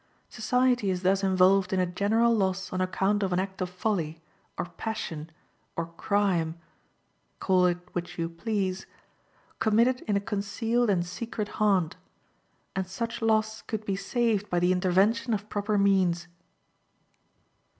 Society is thus involved in a general loss on account of an act of folly, or passion, or crime (call it which you please), committed in a concealed and secret haunt, and such loss could be saved by the intervention of proper means.